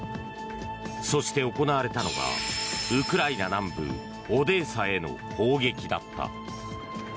そして、行われたのがウクライナ南部オデーサへの砲撃だった。